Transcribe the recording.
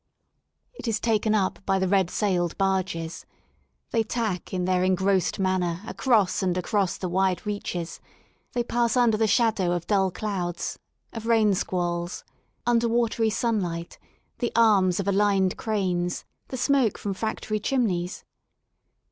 It is taken up by the red sailed barges* They tack in their engrossed manner across and across the wide reaches; they pass under the shadow of dull clouds, of rain squalls, under watery sunlight, the arms of aligned cranes, the smoke from factory chimneys.